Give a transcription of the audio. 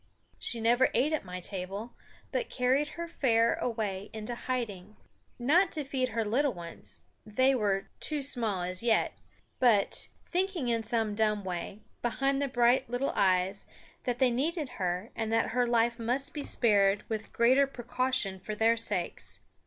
She never ate at my table, but carried her fare away into hiding, not to feed her little ones they were, too small as yet but thinking in some dumb way, behind the bright little eyes, that they needed her and that her life must be spared with greater precaution for their sakes.